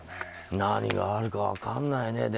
何があるか分からないね。